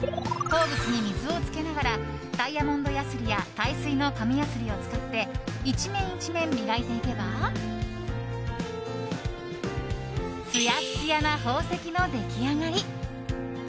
鉱物に水をつけながらダイヤモンドやすりや耐水の紙やすりを使って一面一面、磨いていけばツヤツヤな宝石の出来上がり。